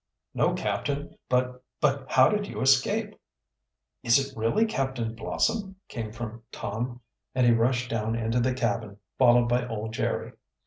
"No, captain. But but how did you escape?" "Is it really Captain Blossom?" came from Tom, and he rushed down into the cabin, followed by old Jerry.